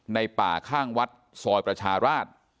ในป่าข้างวัดซอยประชาราช